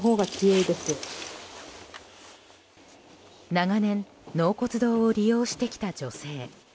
長年納骨堂を利用してきた女性。